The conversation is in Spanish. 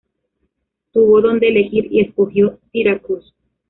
Tuvo donde elegir, y escogió Syracuse.